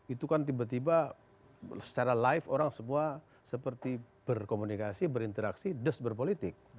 itu kan tiba tiba secara live orang semua seperti berkomunikasi berinteraksi des berpolitik